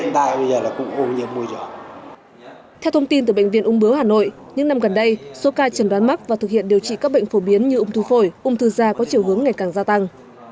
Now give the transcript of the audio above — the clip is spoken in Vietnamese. theo thông tin từ bệnh viện ung bướu hà nội những năm gần đây số ca trần đoán mắc và thực hiện điều trị các bệnh phổ biến như ung thư phổi ung thư da có chiều hướng ngày càng gia tăng